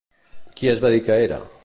Qui es va dir que era?